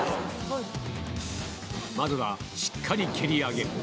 まずは、しっかり蹴り上げる。